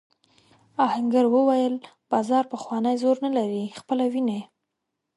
آهنګر وویل بازار پخوانی زور نه لري خپله وینې.